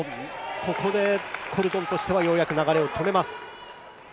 ここでコルドンとしては、ようやく流れを止めます。